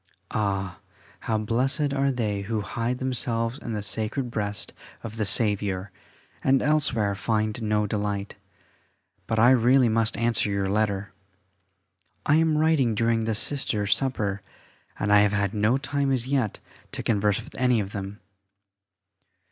[A] Ah! how blessed are they who hide themselves in the sacred breast of the Saviour, and elsewhere find no delight. But I really must answer your letter. I am writing during the Sisters' supper, and I have had no time as yet to converse with any of them.